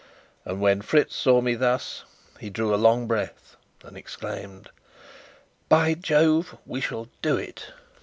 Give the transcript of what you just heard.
And when Fritz saw me thus he drew a long breath and exclaimed: "By Jove, we shall do it!"